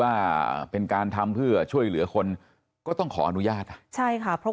ว่าเป็นการทำเพื่อช่วยเหลือคนก็ต้องขออนุญาตอ่ะใช่ค่ะเพราะ